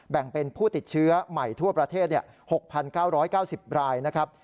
แบ่งเป็นผู้ติดเชื้อใหม่ทั่วประเทศ๖๙๙๐รายนะครับ